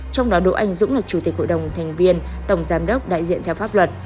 trong đó đỗ anh dũng là chủ tịch hội đồng thành viên tổng giám đốc đại diện theo pháp luật